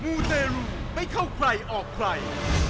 มูนในลูกไม่เข้าใครออกใคร